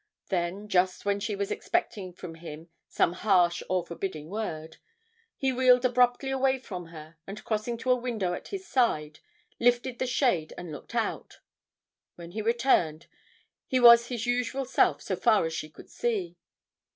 Then, just when she was expecting from him some harsh or forbidding word, he wheeled abruptly away from her and crossing to a window at his side, lifted the shade and looked out. When he returned, he was his usual self so far as she could see.